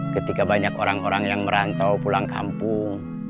ketika banyak orang orang yang merantau pulang kampung